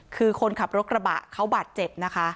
คือคนขับโรคระบะเขาบาดเจ็บ